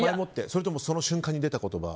それともその瞬間に出た言葉？